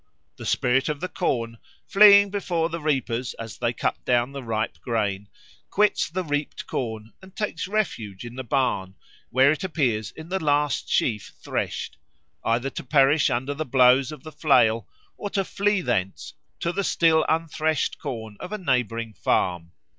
The spirit of the corn, fleeing before the reapers as they cut down the ripe grain, quits the reaped corn and takes refuge in the barn, where it appears in the last sheaf threshed, either to perish under the blows of the flail or to flee thence to the still unthreshed corn of a neighbouring farm.